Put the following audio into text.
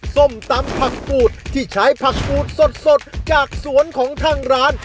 ส้มตำผักกูดที่ใช้ผักกูดสดจากสวนของทางร้าน